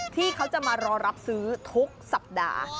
ที่เขาจะมารอรับซื้อทุกสัปดาห์